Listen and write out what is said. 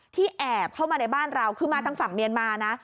แอบเข้ามาในบ้านเราคือมาทางฝั่งเมียนมานะ